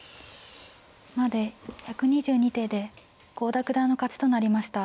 まで１２２手で郷田九段の勝ちとなりました。